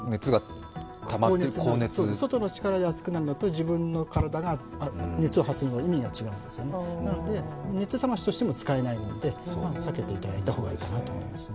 外の力で熱くなるのと自分の体が熱を発するのでは意味が違いますよね、熱冷ましとしても使えないので避けていただいた方がいいかなと思いますね。